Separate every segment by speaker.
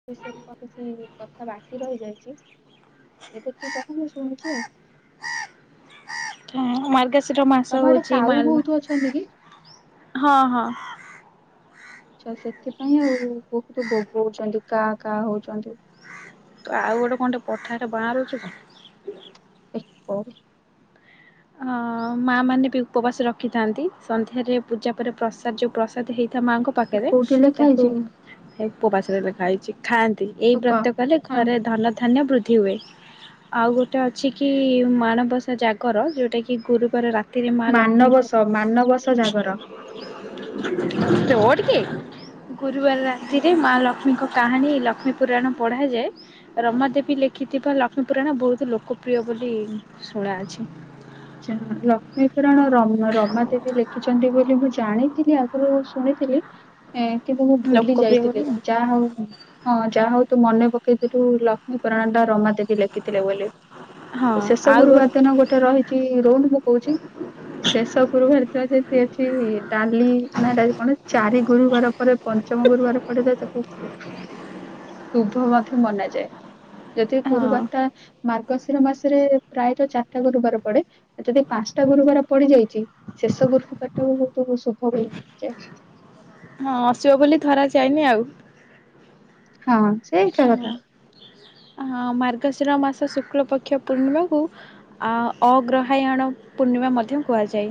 Speaker 1: ସେ ବିଷୟରେ କିଛି କଥା ବାକି ରହିଯାଇଚି ଏବେ ତୁ କହ ମୁଁ ଶୁଣୁଚି ଆଉ।
Speaker 2: ହଁ ମାର୍ଗଶିର ମାସ
Speaker 1: ତମ ଆଡେ
Speaker 2: ହଉଚି ମା
Speaker 1: କାଉ
Speaker 2: ଲ
Speaker 1: ବହୁତ ଅଛନ୍ତି କି?
Speaker 2: ହଁ ହଁ।
Speaker 1: ଅଚ୍ଛା ସେଥିପାଇଁ ଆଉ ବହୁତୁ ବୋବଉଛନ୍ତି କା କା ହଉଚନ୍ତି।
Speaker 2: ତୁ ଆଉ ଗୋଟେ କଣ ଟେ କଥାଟା ରେ ବାଆଁରୁଚି କି?
Speaker 1: ଏକ୍ ପଢେ।
Speaker 2: ମା ମାନେ ବି ଉପବାସ ରଖିଥାନ୍ତି ସନ୍ଧ୍ୟାରେ ପୂଜା ପରେ ପ୍ରସାଦ ଯୋ ଯୋଉ ପ୍ରସାଦ ହେଇଥାଏ ମାଆଙ୍କ ପାଖେରେ
Speaker 1: କୋଉଠି ଲେଖା
Speaker 2: ତାକୁ
Speaker 1: ହେଇଛି
Speaker 2: ଉପବାସରେ ଲେଖା ହେଇଚି ଖାଆନ୍ତି ଏଇ
Speaker 1: ତୁ କହ
Speaker 2: ବ୍ରତ କଲେ
Speaker 1: ହଁ
Speaker 2: ଘରେ ଧନ ଧାନ୍ୟ ବୃଦ୍ଧି ଧି ହୁଏ, ଆଉ ଗୋଟେ ଅଛି କି ମାଣବସା ଜାଗର ଯୋଉଟା କି ଗୁରୁବାର ରାତ୍ ତିରେ ମା ଲକ୍ଷ୍ମୀଙ୍କ
Speaker 1: ମାନବସ ମାନବସ ଜାଗର
Speaker 2: [inaudible] ରହ ଟିକେ। ଗୁରୁବାର ରାତିରେ ମା ଲକ୍ଷ୍ମୀଙ୍କ କାହାଣୀ ଲକ୍ଷ୍ମୀ ପୁରାଣ ପଢାଯାଏ। ରମା ଦେବୀ ଲେଖିଥିବା ଲକ୍ଷ୍ମୀପୁରାଣ ବହୁତ୍ ଲୋକପ୍ରିୟ ବୋଲି ଶୁଣାଅଛି।
Speaker 1: ଯା ଲକ୍ଷ୍ମୀପୁରାଣ ରମ୍ ରମା ଦେବୀ ଲେଖିଚନ୍ତି ବୋଲି ମୁଁ ଜାଣିଥିଲି ଆଗରୁ ଶୁଣିଥିଲି, କିନ୍ତୁ ମୁଁ ଭୁଲି
Speaker 2: ଲୋକପ୍ରିୟ ବୋଲି
Speaker 1: ଯାଇଥିଲି ଯାହା ହଉ ହଁ ଯାହା ହଉ ତୁ ମନେ ପକେଇଦେଲୁ ଲକ୍ଷ୍ମୀପୁରାଣ ଟା ରମାଦବୀ ଲେଖିଥିଲେ ବୋଲି।
Speaker 2: ହଁ
Speaker 1: ଶେଷ
Speaker 2: ଆଉ ଗୋ
Speaker 1: ଗୁରୁବାର ଦିନ ଗୋଟେ ରହିଚି ରହୁନୁ ମୁଁ କହୁଚି। ଶେଷ ଗୁରୁ ଥିବା ସେ ସେଠି ଅଛି ଡାଲି, ନା ହେଟା ହଉଚି କଣ ଚାରି ଗୁରୁବାର ପରେ। ପଞ୍ଚମ ଗୁରୁବାର ପଡିଲେ ତାକୁ ଖୁବ ଶୁଭ ମଧ୍ୟ ମନାଯାଏ। ଯଦି
Speaker 2: ହଁ
Speaker 1: ଗୁରୁବାର ଟା ମାର୍ଗଶିର ମାସରେ ପ୍ରାୟତ ଚାରିଟା ଗୁରୁବାର ପଡେ ଯଦି ପାଞ୍ଚଟା ଗୁରୁବାର ପଡିଯାଇଛି ଶେଷ ଗୃଫ ପାଟକୁ ବହୁତ ଶୁଭ ହୁଏ ଜା
Speaker 2: ହଁ ଆସିବ ବୋଲି ଧରା ଯାଏନି ଆଉ।
Speaker 1: ହଁ ସେ ଏକା କଥା
Speaker 2: ହଁ ହଁ ମାର୍ଗଶିର ମାସ ଶୁକ୍ଳ ପକ୍ଷ ପୂର୍ଣ୍ଣିମାକୁ ଆ ଅଗ୍ରହାୟଣ ପୂର୍ଣ୍ଣିମା ମଧ୍ୟ କୁହାଯାଏ।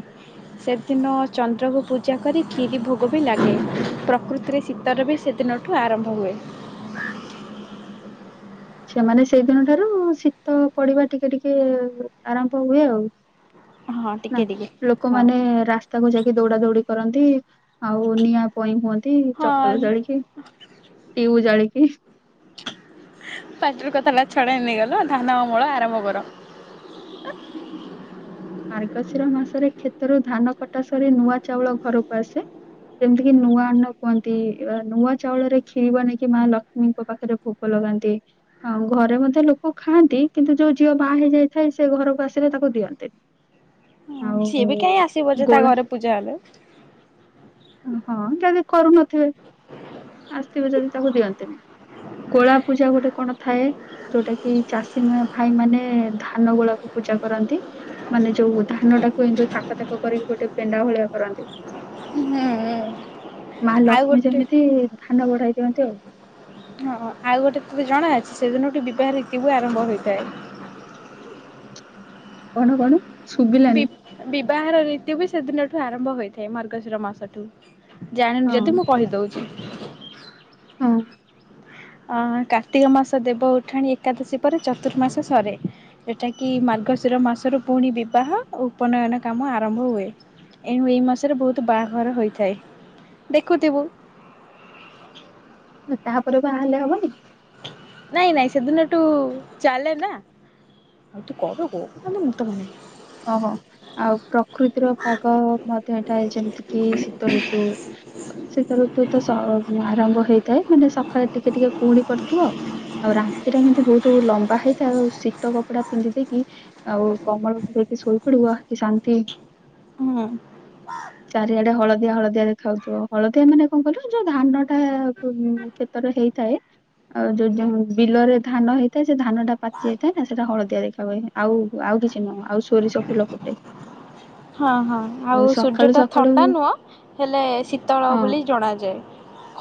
Speaker 2: ସେଦିନ ଚନ୍ଦ୍ରକୁ ପୂଜା କରି କ୍ଷୀରି ଭୋଗ ବି ଲାଗେ ପ୍ରକୃତିରେ ଶୀତରେ ବି ସେଦିନ ଠୁ ଆରମ୍ଭ ହୁଏ।
Speaker 1: ସେମାନେ ସେଇଦିନ ଠାରୁ ଶୀତ ପଡିବା ଟିକେ ଟିକେ ଆରମ୍ଭ ହୁଏ ଆଉ।
Speaker 2: ହଁ
Speaker 1: ନା
Speaker 2: ଟିକେ ଟିକେ ହଁ
Speaker 1: ଲୋକମାନେ ରାସ୍ ସ୍ତାକୁ ଯାଇକି ଦୌଡ଼ା ଦୌଡି କରନ୍ତି ଆଉ ନିଆଁ ପଇଁ ହୁଅନ୍ତି
Speaker 2: ହଁ
Speaker 1: ଚପଲ ଜାଳିକି ଟିଉ ଜାଳିକି
Speaker 2: ପାଟିରୁ କଥାଟା ଛଡେଇ ନେଇଗଲ ଧାନ ଅମଳ ଆରମ୍ଭ କର।
Speaker 1: ମାର୍ଗଶିର ମାସରେ କ୍ଷେତରୁ ଧାନ କଟା ସରି ନୂଆ ଚାଉଳ ଘରକୁ ଆସେ। ଯେମିତି କିି ନୂଆ ଅନ୍ନ କୁହନ୍ତି ନୂଆ ଚାଉଳରେ କ୍ଷୀରି ବନେଇକି ମା ଲକ୍ଷ୍ମୀଙ୍କ ପାଖରେ ଭୋ ଭୋଗ ଲଗାନ୍ତି। ହଁ ଘରେ ମଧ୍ୟ ଲୋକ ଖାଆନ୍ତି କିନ୍ତୁ ଯୋଉ ଝିଅ ବାହା ହେଇଯାଇଥାଏ ସେ ଘରକୁ ଆସିଲେ ତାକୁ ଦିଅନ୍ତିନି।
Speaker 2: ହଁ
Speaker 1: ଆଉ
Speaker 2: ସିଏ ବି କାହିଁ ଆସିବ ଯେ ତା
Speaker 1: ଗୋଳା
Speaker 2: ଘରେ ପୂଜା ହେଲେ।
Speaker 1: ହଁ ଯଦି କରୁନଥିବେ। ଆସିଥିବେ ଯଦି ତାକୁ ଦିଅନ୍ତିନି ଗୋଳା ପୂଜା ଗୋଟେ କଣ ଥାଏ। ଯୋଉଟା କି ଚାଷୀମୟ ଭାଇ ମାନେ ଧାନ ଗୋଳାକୁ ପୂଜା କରନ୍ତି ମାନେ ଯୋଉ ଧାନ ଟାକୁ ଯୋଉ ଥାକ ଥାକ କରିକି ଗୋଟେ ପେଣ୍ଡା ଭଳିଆ କରନ୍ତି
Speaker 2: ହୁଁ
Speaker 1: ମା
Speaker 2: ଆଉ
Speaker 1: ଲକ୍ଷ୍ମୀ
Speaker 2: ଗୋଟେ
Speaker 1: ଯେମିତି ଧାନ ବଢାଇ ଦିଅନ୍ତି ଆଉ।
Speaker 2: ହଁ ଆଉ ଗୋଟେ ତତେ ଜଣା ଅଛି ସେଦିନଠୁ ବିବାହ ରୀତି ବି ଆରମ୍ଭ ହେଇଥାଏ।
Speaker 1: କଣ କଣ?
Speaker 2: ବି
Speaker 1: ଶୁଭିଲାନି।
Speaker 2: ବିବାହର ଋତୁ ବି ସେଦିନଠୁ ଆରମ୍ଭ ହୋଇଥାଏ ମାର୍ଗଶିର ମାସଠୁ। ଜାଣିନୁ
Speaker 1: ହଁ
Speaker 2: ଯଦି ମୁଁ କହିଦଉଛି।
Speaker 1: ହଁ।
Speaker 2: ଅ କାର୍ତ୍ତିକ ମାସ ଦେବ ଉଠାଣି ଏକାଦଶୀ ପରେ ଚତୁର୍ମାସ ସରେ। ଏଟାକିି ମାର୍ଗଶିର ମାସରୁ ପୁଣି ବିବାହ ଓ ଉପନୟନ କାମ ଆରମ୍ଭ ହୁଏ। ଏଣୁ ଏଇ ମାସରେ ବହୁତ ବାହାଘର ହୋଇଥାଏ ଦେଖୁଥିବୁ।
Speaker 1: ତାପରେ ବାହା ହେଲେ ହବନି।
Speaker 2: ନାଇଁ ନାଇଁ ସେଦିନଠୁ ଚାଲେ ନା। ଆଉ ତୁ [unintelligible]
Speaker 1: ଓହୋ। ଆଉ ପ୍ରକୃତିର ପାଗ ମଧ୍ୟ ଏଟାଏ ଯେମିତି କିି ଶୀତ ଋତୁ। ସୀତ ଋତୁ ତ ସ ଆରମ୍ଭ ହେଇଥାଏ ମାନେ ସକାଳେ ଟିକେ ଟିକେ କୁହୁଡି ପଡିଥିବ। ଆଉ ରାତି ଟା କିନ୍ତୁ ବହୁତୁ ଲମ୍ବା ହେଇଥାଉ ଆଉ ଶୀତ କପଡା ପିନ୍ଧି ଦେଇକି ଆଉ କମଳ ଘୋଡେଇକି ଶୋଇପଡିବ କି ଶାନ୍ତି।
Speaker 2: ହୁଁ।
Speaker 1: ଚାରିଆଡେ ହଳଦିଆ ହଳଦିଆ ଦେଖାଯଉଥିବ ହଳଦିଆ ମାନେ କଣ କହିଲ ଯୋଉ ଧାନଟା କୁ ଖେ ତରେ ହେଇଥାଏ ଆଉ ଯୋଉ ଯୋଉ ବିଲରେ ଧାନ ହେଇ ତ ସେ ଧାନ ଟା ପାଚି ଯାଇଥାଏ ନା ସେଇଟା ହଳଦିଆ ଦେଖା ହୁଏ ଆଉ ଆଉ କିଛି ନୁହଁ ଆଉ ସୋରିଷ ଫୁଲ ଫୁଟେ।
Speaker 2: ହଁ ହଁ ଆଉ ସୂର୍ଯ୍ୟ
Speaker 1: ସକାଳୁ
Speaker 2: ଟା
Speaker 1: ସକାଳୁ
Speaker 2: ଥଣ୍ଡା ନୁହଁ ହେଲେ ଶୀତଳ
Speaker 1: ହଁ
Speaker 2: ବୋଲି ଜଣାଯାଏ।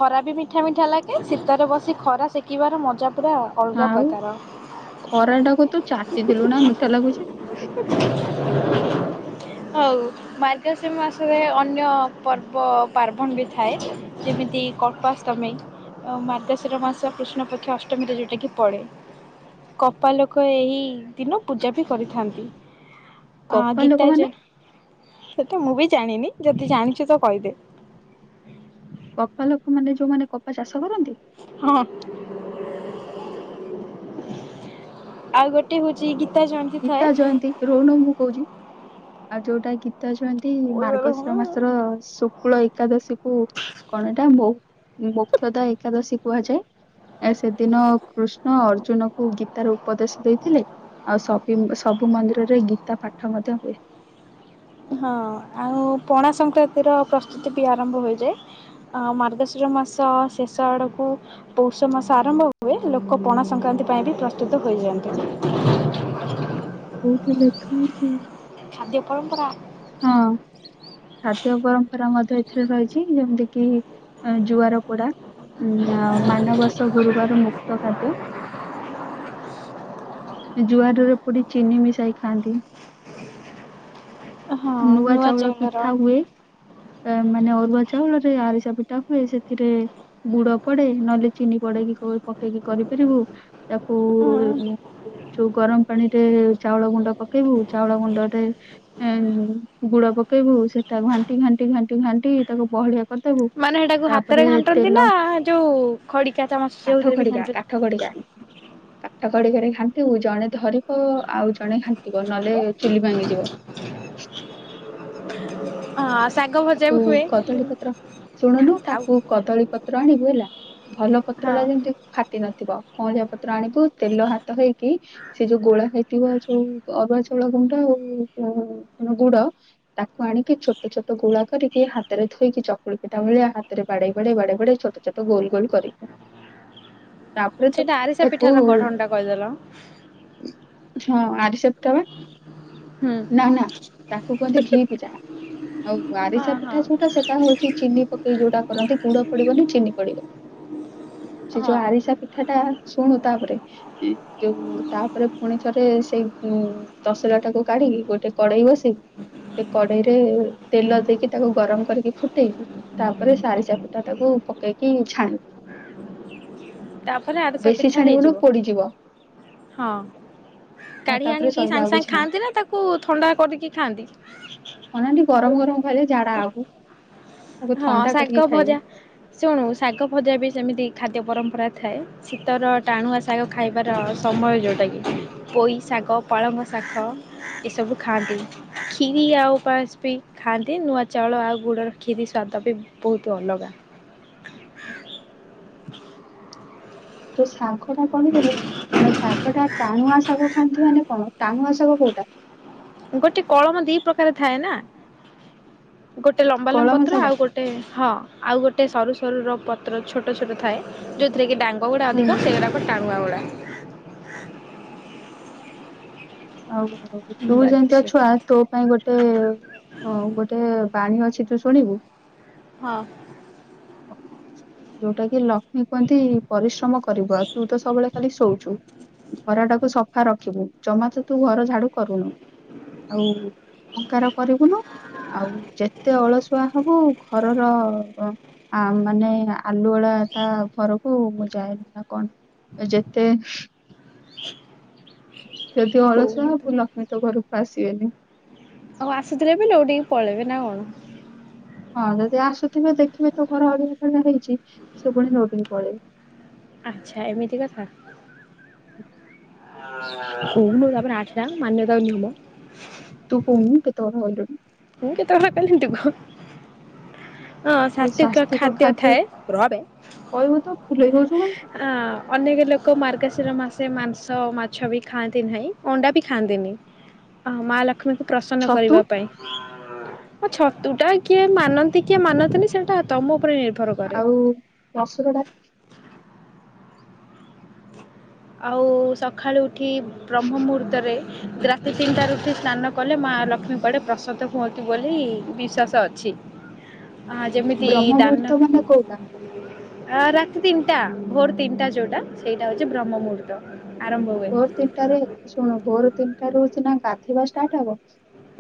Speaker 2: ଖରା ବି ମିଠା ମିଠା ଲାଗେ ଶୀତରେ ବସି ଖରା ସେକିବାର ମଜା ପୁରା ଅଲଗା
Speaker 1: ଆଉ
Speaker 2: ପ୍ରକାର।
Speaker 1: ଖରାଟାକୁ ତୁ ଚାଟିଥିଲୁ ନା ମିଠା ଲାଗୁଛି।
Speaker 2: ହଉ। ମାର୍ଗଶୀର ମାସ ଯାଏ ଅନ୍ୟ ପର୍ବ ପାର୍ବଣ ବି ଥାଏ। ଯେମିତି କପସ ତମେ ମାର୍ଗଶିର ମାସ କୃଷ୍ଣ ପକ୍ଷ ଅଷ୍ଟମୀରେ ଯେଉଁଟାକି ପଡ଼େ। କପା ଲୋକ ଏହି ଦିନ ପୂଜା ବି କରିଥାନ୍ତି। ଅଁ
Speaker 1: କପା
Speaker 2: ଗୀତା ଜ
Speaker 1: ଲୋକମାନେ
Speaker 2: ସେଟା ମୁଁ ବି ଜାଣିନି ଯଦି ଜାଣିଛୁ ତ କହିଦେ।
Speaker 1: କପା ଲୋକମାନେ ଯୋଉମାନେ କପା ଚାଷ କରନ୍ତି?
Speaker 2: ହଁ ଆଉ ଗୋ ଟେ ହଉଚି ଗୀତା ଜୟନ୍ତି ଥାଏ।
Speaker 1: ରୋଉନ ମୁଁ କଉଚି ଆଉ ଯୋଉଟା ଗି ଗିତା ଜୟନ୍ତି ମାର୍ଗଶିର ମାସର ଶୁକ୍ଳ ଏକାଦଶୀ କୁ କଣ ଏଟା ମହୁ ମୁକ୍ଷତା ଏକାଦଶୀ କୁହାଯାଏ। ଏ ସେଦିନ କୃଷ୍ଣ ଅର୍ଜୁନ କୁ ଗୀତାର ଉପଦେଶ ଦେଇଥିଲେ ଆଉ ସ କିମ୍ ସବୁ ମନ୍ଦିରରେ ଗୀତା ପାଠ ମଧ୍ୟ ହୁଏ।
Speaker 2: ହଁ ଆଉ ପଣା ସଂକ୍ରାନ୍ତିର ପ୍ରସ୍ତୁତି ବି ଆରମ୍ଭ ହୋଇଯାଏ। ଆ ମାର୍ଗଶିର ମାସ ଶେଷ ଆଡ଼କୁ ପୌଷ ମାସ ଆରମ୍ଭ ହୁଏ ଲୋକ ପଣା ସଂକ୍ରାନ୍ତି ପାଇଁ ବି ପ୍ରସ୍ତୁତ ହୋଇଯାଆନ୍ତି।
Speaker 1: କୋଉଠି ଲେଖା ହେଇଛ?
Speaker 2: ଖାଦ୍ୟ ପର ମ୍ପରା।
Speaker 1: ହଁ। ଖାଦ୍ୟ ପରମ୍ପରା ମଧ୍ୟ ଏଥିରେ ରହିଛି ଯେମିତି କିି ଜୁଆର ପୋଡା ଉଁ ଆଉ ମାନବାସ ଗୁରୁବାର ମୁଖ୍ୟ ଖାଦ୍ୟ। ଜୁଆରରେ ପୁଡି ଚିନି ମିଶାଇ ଖାଆନ୍ତି।
Speaker 2: ହଁ
Speaker 1: ନୂଆଁ
Speaker 2: ନୂଆ
Speaker 1: ଚାଉଳ
Speaker 2: ଚାଉଳର
Speaker 1: ପିଠା ହୁଏ। ଏ ମାନେ ଅରୁଆ ଚାଉଳରେ ଆରିସା ପିଠା ହୁଏ ସେଥିରେ ଗୁଡ ପଡେ ନହେଲେ ଚିନି ପଡେଇକି କ ପକେଇକି କରିପାରିବୁ। ତାକୁ ଯୋଉ ଚୁ ଗରମ ପାଣିରେ ଚାଉଳ ଗୁଣ୍ଡ ପକେଇବୁ। ଚାଉଳ ଗୁଣ୍ଡରେ ଉ ଗୁଡ ପକେଇବୁ ସେଟା ଘାଣ୍ଟି ଘାଣ୍ଟି ଘାଣ୍ଟି ଘାଣ୍ଟି ତାକୁ ବହଳିଆ କଦବୁ
Speaker 2: ମାନେ ହେଟାକୁ ହାତରେ
Speaker 1: ତାପରେ
Speaker 2: ଘାଣ୍ଟନ୍ତି ନା
Speaker 1: ତେଲ
Speaker 2: ଯୋଉ ଖଡିକା ଚାମଚ
Speaker 1: କାଠ
Speaker 2: ଯୋଉଥିରେ ବି
Speaker 1: ଖଡିକା
Speaker 2: ଘାଣ୍ଟନ୍ତି।
Speaker 1: କାଠ ଖଡିକା କାଠ ଖଡିକାରେ ଖାଣ୍ଟିବୁ ଜଣେ ଧରିବ ଆଉ ଜଣେ ଘାଣ୍ଟିବ ନହେଲେ ଚୁଲି ଭାଙ୍ଗିଯିବ।
Speaker 2: ଆସ୍
Speaker 1: ତାକୁ କଦଳୀ ପତ୍ର ଶୁଣୁନୁ
Speaker 2: ଥାଉ ଥାଉ।
Speaker 1: ତାକୁ କଦଳୀ ପତ୍ର ଆଣିବୁ ହେଲା ଭଲ ପତ୍ର
Speaker 2: ହଁ
Speaker 1: ଟା ଯେମିତି ଫାଟି ନଥିବ କଅଁଳିଆ ପତ୍ର ଆଣିବୁ ତେଲ ହାତ ହେଇକି ସେ ଯୋଉ ଗୋଳା ହେଇଥିବ ଯୋଉ ଅରୁଆ ଚାଉଳ ଗୁଣ୍ଡ ଆଉ ଗୁଡ ତାକୁ ଆଣିକି ଛୋଟ ଛୋ ଛୋଟ ଗୁଳା କରିକି ହାତ ରେ ଥୋଇକି ଚକୁଳି ପିଟା ଭଳିଆ ହାତ ରେ ବାଡେଇ ବାଡେଇ ବାଡେଇ ବାଡେଇ ଛୋଟ ଛୋଟ ଗୋଲ ଗୋଲ କରିବୁ। ତାପରେ ତାକୁ
Speaker 2: ସେଟା ଆରିସା
Speaker 1: ତାକୁ
Speaker 2: ପିଠାର ଗଢନ ଟା କହିଦେଲ।
Speaker 1: ହଁ ଆରିସା ପିଠା ପା,
Speaker 2: ହୁଁ
Speaker 1: ନା ନା ତାକୁ କୁହନ୍ତି ଘି ପିଠା। ଆଉ ଆରିସା
Speaker 2: ହଁ ହଁ
Speaker 1: ପିଠା ଯୋଉଟା ସେଟା ହଉଛି ଚିନି ପକେଇ ଯୋଉଟା କରନ୍ତି ଗୁଡ ପଡିବନି ଚିନି ପଡିବ। ସେ ଯୋଉ
Speaker 2: ହଁ
Speaker 1: ଆରିସା କଥା ଟା ଶୁଣୁ ତାପରେ ଯୋଉ ତାପରେ ପୁଣି ଥରେ ସେଇ ଉଁ ତସଲା ଟାକୁ କାଢିକି ଗୋଟେ କଡେଇ ବସେଇ ସେ କଡେଇ ରେ ତେଲ ଦେଇକି ତାକୁ ଗରମ କରିକି ଫୁଟେଇବୁ ତାପରେ ସେ ଆରିସା ପିଠା ଟାକୁ ପକେଇକି ଛାଣିବୁ।
Speaker 2: ତା ପରେ ଆରିସା
Speaker 1: ବେଶୀ
Speaker 2: ପିଠା
Speaker 1: ଛାଣିବୁନୁ
Speaker 2: ହେଇଯିବ,
Speaker 1: ପୋଡିଯିବ
Speaker 2: ହଁ।
Speaker 1: ଆଉ
Speaker 2: କାଢି
Speaker 1: ତାପରେ
Speaker 2: ଆଣିକି
Speaker 1: ସଇଲା
Speaker 2: ସାଙ୍ଗେ
Speaker 1: ଆଉ
Speaker 2: ସାଙ୍ଗେ
Speaker 1: କିଛି ନାହିଁ
Speaker 2: ଖାଆନ୍ତି ନା ତାକୁ ଥଣ୍ଡା କରିକି ଖାଆନ୍ତି?
Speaker 1: ଅନାନି ଗରମ ଗରମ ଖାଇଲେ ଝାଡା ହବୁ। ତାକୁ
Speaker 2: ହଁ
Speaker 1: ଥଣ୍ଡା କରିକି
Speaker 2: ଶାଗ
Speaker 1: ଖାଇବୁ
Speaker 2: ଭଜା ଶୁଣୁ ଶାଗ ଭଜା ବି ସେମିତି ଖାଦ୍ୟ ପରମ୍ପରା ଥାଏ। ଶୀତର ଟାଣୁଆ ଶାଗ ଖାଇବାର ସମୟ ଯୋଉଟା କି। ପୋଇ ଶାଗ, ପାଳଙ୍ଗ ଶାଗ। ଏସବୁ ଖାଆନ୍ତି କ୍ଷୀରି ଆଉ ପାସ ବି ଖାଆନ୍ତି ନୂଆ ଚାଉଳ ଆଉ ଗୁଡ଼ର କ୍ଷୀରି ସ୍ୱାଦ ବି ବହୁତ ଅଲଗା।
Speaker 1: ତୁ ଶାଗ ଶାଗଟା କଣ କି ଯୋଉ ଆଉ ଶାଗ ଟା ଟାଣୁଆ ଶାଗ ଖାଆନ୍ତି ମାନେ କଣ ଟାଣୁଆ ଶାଗ କୋଉଟା?
Speaker 2: ଗୋଟେ କଳମ ଦି ପ୍ରକାର ଥାଏ ନା ଗୋଟେ ଲମ୍ବା ଲମ୍ବା
Speaker 1: କଳମ
Speaker 2: ପତ୍ର
Speaker 1: ଶାଗ
Speaker 2: ଆଉ ଗୋ ଟେ ହଁ ଆଉ ଗୋଟେ ସରୁ ସରୁର ପତ୍ର ଛୋଟ ଛୋଟ ଥାଏ। ଯୋଉଥିରେ କି ଡାଙ୍ଗ ଗୁଡା
Speaker 1: ହୁଁ
Speaker 2: ଅଧିକ ସେଇରାକ ଟାଣୁଆ ଗୁଡା।
Speaker 1: ଆଉ ତୁ ଯେମିତିଆ
Speaker 2: ବାଜ୍ୟ
Speaker 1: ଛୁଆ ତୋ ପାଇଁ ଗୋଟେ ହଁ ଗୋଟେ ବାଣୀ ଅଛି ତୁ ଶୁଣିବୁ?
Speaker 2: ହଁ।
Speaker 1: ଯୋଉଟା କି ଲକ୍ଷ୍ମୀ କୁହନ୍ତି ପରିଶ୍ରମ କରିବୁ ଆ ତୁ ତ ସବୁବେଳେ ଖାଲି ଶୋଉଛୁ। ଘର ଟାକୁ ସଫା ରଖିବୁ, ଜମା ତ ତୁ ଘର ଝାଡୁ କରୁନୁ। ଆଉ ଅଙ୍କାର କରିବୁନୁ। ଆଉ ଯେତେ ଅଳସୁଆ ହବୁ ଘରର ଆ ମାନେ ଆଲୁ ବାଳା ତା ଘରକୁ ମୁଁ ଯାଏନି ନା କଣ ଯେତେ ଯଦି ଅଳସୁଆ
Speaker 2: କହୁନି ତୁ
Speaker 1: ହବୁ ଲକ୍ଷ୍ମୀ ତୋ ଘରକୁ ଆସିବେନି।
Speaker 2: ଆଉ ଆସୁଥିଲେ ବି ଲଉ ଟିକି ପଳେଇବେ ନା କଣ?
Speaker 1: ହଁ ଯଦି ଆସୁଥିବେ ଦେଖିବେ ତୋ ଘର ଅଳିଆ ଫଳିଆ ହେଇଛି ସେ ପୁଣି ନୋଉଟିକି ପଳେଇବେ।
Speaker 2: ଆଚ୍ଛା ଏମିତି କଥା।
Speaker 1: [inaudible]
Speaker 2: ହୋଉଲୋ ତାପରେ ଆଠଟା ମାନ୍ୟତା ନିୟମ।
Speaker 1: ତୁ କହୁନୁ କେତେ କଥା କହିଲିଣି।
Speaker 2: ମୁ କେତେ କଥା କହି ଲିଣୀ ତାକୁ। ହଁ
Speaker 1: ଆଉ
Speaker 2: ସ୍ୱାସ୍ଥ୍ୟ
Speaker 1: ସ୍ୱାସ୍ଥ୍ୟିକ
Speaker 2: ଖାଦ୍ୟ ଥାଏ ରହବେ
Speaker 1: କହିବୁ ତ ଫୁଲେଇ ହଉଛୁ କାହିଁକି
Speaker 2: ଅଁ ଅନେକ ଲୋକ ମାର୍ଗଶିର ମାସେ ମାଂସ, ମାଛବି ଖାଆନ୍ତି ନାହିଁ ଅଣ୍ଡାବି ଖାଆନ୍ତିନି। ଅ ମାହା ଲକ୍ଷ୍ମୀଙ୍କୁ ପ୍ରସନ୍ନ
Speaker 1: ଛତୁ
Speaker 2: କରିବା ପାଇଁ ଆ ଛତୁଟା କିଏ ମାନ ନ୍ତିକିଏ ମାନନ୍ତିନି ସେଇଟା ତମ ଉପରେ ନିର୍ଭ
Speaker 1: ଆଉ ମସୁର ଡା
Speaker 2: ଆଉ ସକାଳୁ ଉଠି ବ୍ରହ୍ମ ମୁହୂର୍ତ୍ତରେ ଗ୍ରା ଦୁଇ, ତିନିଟା ଉଠି ସ୍ନାନ କଲେ ମା ଲକ୍ଷ୍ମୀ କୁଆଡ଼େ ପ୍ରସାଦ ହୁଅନ୍ତିୁ ବୋଲି ବିଶ୍ୱାସ ଅଛି। ହଁ
Speaker 1: ଡାଲି
Speaker 2: ଯେମିତି
Speaker 1: ବ୍ରହ୍ମ
Speaker 2: ଦାନ
Speaker 1: ମୁହୂର୍ତ୍ତ ମାନେ କୋଉଟା
Speaker 2: ଆଁ ରାତି ତିନିଟା ଭୋର ତିନିଟା ଯୋଉଟା ସେଇଟା ହଉଚି ବ୍ରହ୍ମ ମୁହୂର୍ତ୍ତ। ଆରମ୍ଭ ହୁଏ।
Speaker 1: ଶୁଣୁ ଭୋର ତିନିଟା ରହୁଚିନା ଗାଧେଇବା ଷ୍ଟାର୍ଟ ହବ।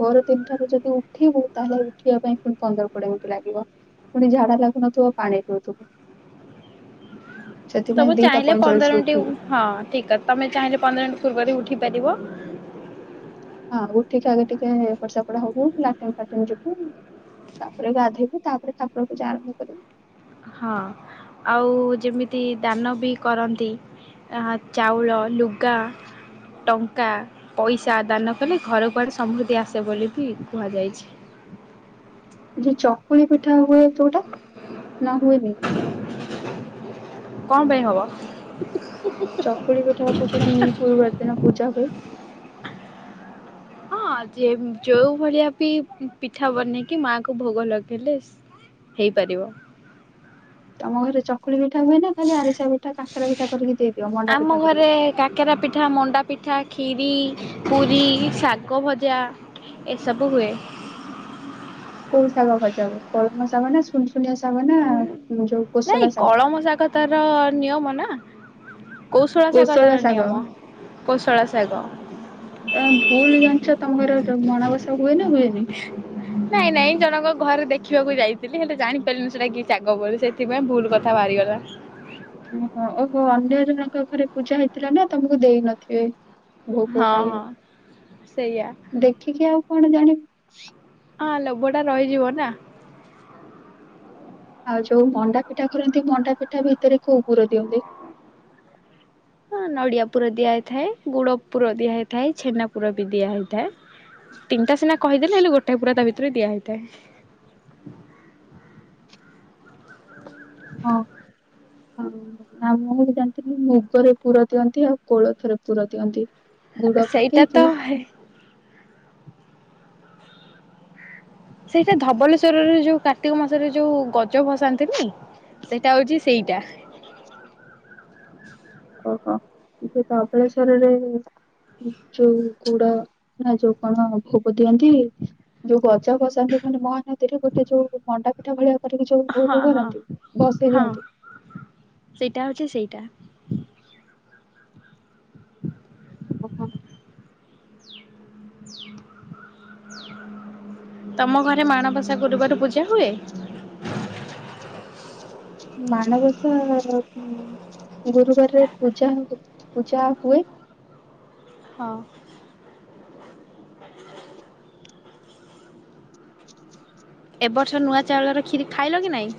Speaker 1: ଭୋରୁ ତିନି ଟାରୁ ଯଦି ଉଠିବୁ ତାହେଲେ ଉଠିବା ପାଇଁ ପୁଣି ପନ୍ଦର, କୋଡ଼ିଏ ମିନିଟ୍ ଲାଗିବ। ପୁଣି ଝାଡ଼ା ଲାଗୁନଥୁବ ପାଣି ପିଉଥିବୁ। ସେଥିପାଇଁ
Speaker 2: ତମେ
Speaker 1: ଦିଟା
Speaker 2: ଚାହିଁଲେ ପନ୍ଦର
Speaker 1: ପଇଁଚାଳିଶରୁ ଉଠିବୁ
Speaker 2: ମିନିଟ୍ ହଁ ଠିକ୍ ତମେ ଚାହିଁଲେ ପନ୍ଦର ମିନିଟ୍ ପୂର୍ବରୁ ଉଠି ପାରିବ।
Speaker 1: ହଁ ଉଠିକି ଆଗେ ଟିକେ ଏପଟ ସେପଟ ହବୁ ଲାଟିନ୍ ଫାଟିନ୍ ଯିବୁ। ତାପରେ ଗାଧୋଇବୁ ତାପରେ ଠାକୁର ପୂଜା ଆରମ୍ଭ କରିବୁ।
Speaker 2: ହଁ ଆଉ ଯେମିତି ଦାନବି କରନ୍ତି। ଚାଉଳ, ଲୁଗା ଟଙ୍କା, ପଇସା ଦାନ କଲେ ଘରକୁୁଆଡ଼େ ସମୃଦ୍ଧି ଆସେ ବୋଲିବି କୁହାଯାଇଛି।
Speaker 1: ଯଉ ଚକୁଳି ପିଠା ହୁଏ ଯୋଉଟା ନାହୁଏନି?
Speaker 2: କଣ ପାଇଁ ହବ?
Speaker 1: ଚକୁଳି ପିଠା କାକରା ମୁଁ ଗୁରୁବାର ଦିନ ପୂଜା ହୁଏ।
Speaker 2: ହଁ ଯେ ଯଉ ଭଳିଆବି ପିଠା ବନେଇକି ମାଆକୁ ଭୋଗ ଲଗେଇଲେ ହେଇପାରିବ।
Speaker 1: ତମ ଘରେ ଚକୁଳି ପିଠା ହୁଏ ନା ଖାଲି ଆରିଶା ପିଠା କାକରା ପିଠା କରିକି ଦେଇଦିଅ ମଣ୍ଡା
Speaker 2: ଆମ
Speaker 1: ପିଠା କରିକି
Speaker 2: ଘରେ କାକେରା ପିଠା, ମଣ୍ଡା ପିଠା, ଖିରି, ପୁରୀ, ଶାଗ ଭଜା ଏସବୁ ହୁଏ।
Speaker 1: କୋଉ ଶାଗ ଭଜା ହୁଏ କଳମ ଶାଗନା ସୁନୁସୁନିଆ ଶାଗନା ଯୋଉ
Speaker 2: ନାଇଁ
Speaker 1: କୋସଳା ଶାଗ?
Speaker 2: କଳମ ଶାଗ ତାର ନିୟମ ନା। କୌଶଳା ଶାଗ ତାର ନିୟମ କୌଶଳା ଶାଗ।
Speaker 1: ଏହା ଭୁଲ୍ ଜାଣିଚ ତମ ଘରେ ମଣବସା ହୁଏନା
Speaker 2: ନାଇଁ ନାଇଁ ଜଣଙ୍କ ଘରେ ଦେଖିବାକୁ ଯାଇଥିଲି ହେଲେ ଜାଣିପାରିଲିନି ସେଟା କିଶାଗ ବୋଲି ସେ ସେଥିପାଇଁ ଭୁଲ୍ କଥା ବାହାରିଗଲା।
Speaker 1: ଓହୋ ଓହୋ ଅନ୍ୟ ଜଣଙ୍କ ଘରେ ପୂଜା ହେଇଥିଲାନା ତମକୁ ଦେଇ ନଥିବେ। ଭୋଗ
Speaker 2: ହଁ ହଁ ସେଇଆ
Speaker 1: ଖାଇବାକୁ, ଦେଖିକି ଆଉ କଣ ଜାଣି
Speaker 2: ଆ ଲୋଭଟା ରହିଯିବନା।
Speaker 1: ଆଉ ଯୋଉ ମଣ୍ଡା ପିଠା କରନ୍ତି ମଣ୍ଡା ପିଠା ଭିତରେ କଉ ପୁର ଦିଅନ୍ତି?
Speaker 2: ହଁ ନଡ଼ିଆ ପୁର ଦିଆ ହୋଇଥାଏ, ଗୁଡ଼ ପୁର ଦିଆ ହେଇଥାଏ, ଛେନା ପୁରବି ଦିଆ ହେଇଥାଏ। ତିନଟା ସିନା କହିଦେଲି ହେଲେ ଗୋଟାଏ ପୁର ତାଭିତରେ ଦିଆ ହେଇଥାଏ।
Speaker 1: ହଁ। ହଁ ଆଉ ମୁଁବି ଜାଣିଥିଲି ମୁଗରେ ପୁର ଦିଅନ୍ତି ଆଉ କୋଳଥରେ ପୁର ଦିଅନ୍ତି। ଗୁଡ଼
Speaker 2: ସେଇଟା ତ
Speaker 1: ପକେଇକି
Speaker 2: ସେଇଟା ଧବଲେଶ୍ଵରରେ ଯୋଉ କାର୍ତ୍ତିକ ମାସରେ ଯୋଉ ଗଜ ଭସାନ୍ତିନି। ସେଇଟା ହଉଛି ସେଇଟା।
Speaker 1: ଓହୋ ସେ ଧବଳେଶ୍ୱରରେ ଯୋଉ ଯୋଉ ଗୁଡ ନା ଯୋଉ କଣ ଭୋଗ ଦିଅନ୍ତି ଯୋଉ ଗ ଜ ଭସାନ୍ତି ମାନେ ମହାନଦୀରେ ଗୋଟେ ଯୋଉ ମଣ୍ଡାପିଠା ଭଳିଆ କରିକି ଯୋଉ
Speaker 2: ହଁ
Speaker 1: ଭୋଗ
Speaker 2: ହଁ
Speaker 1: କରନ୍ତି ଭସେଇ
Speaker 2: ହଁ
Speaker 1: ଦିଅନ୍ତି।
Speaker 2: ସେଇଟା ହୋଉଛି ସେଇଟା।
Speaker 1: ଓହୋ।
Speaker 2: ତମ ଘରେ ମାଣବସା ଗୁରୁବାର ପୂଜା ହୁଏ।
Speaker 1: ମାଣବସା ର ବି ଗୁରୁବାରରେ ପୂଜା ହୁଏ ପୂଜା ହୁଏ।
Speaker 2: ହଁ। ଏ ବର୍ଷ ନୂଆ ଚାଉଳର ଖିରୀ ଖାଇଲ କି ନାଇଁ?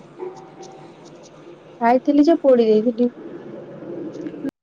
Speaker 1: ଖାଇଥିଲି ଯେ ପୋଡି ଦେଇଥିଲି।